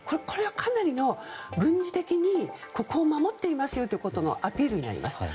これは、かなりの軍事的にここを守っていますよということのアピールになります。